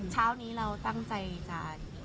เช้านี้เราตั้งใจจะ